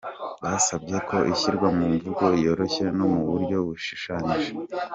Basabye ko ishyirwa mu mvugo yoroshye no mu buryo bushushanyije.